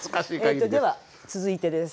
では続いてです。